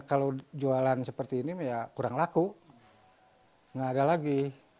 kurang laku gak ada lagi